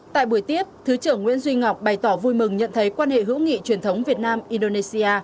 tại buổi tiếp thứ trưởng nguyễn duy ngọc bày tỏ vui mừng nhận thấy quan hệ hữu nghị truyền thống việt nam indonesia